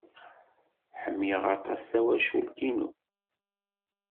Ḥemmleɣ aṭas tawacult-inu.